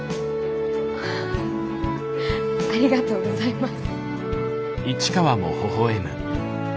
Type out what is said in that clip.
ありがとうございます。